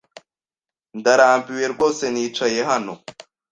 Ndarambiwe rwose nicaye hano.